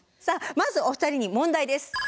さあまずお二人に問題です。